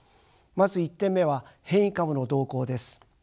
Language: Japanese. まず１点目は変異株の動向です。